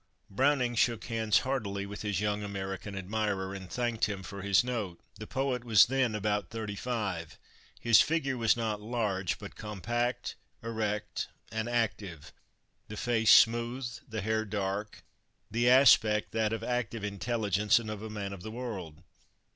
Browning shook hands heartily with his young American admirer, and thanked him for his note. The poet was then about thirty five. His figure was not large, but compact, erect, and active; the face smooth, the hair dark; the aspect that of active intelligence, and of a man of the world.